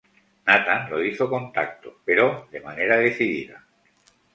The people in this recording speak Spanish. Natán lo hizo con tacto, pero de manera decidida.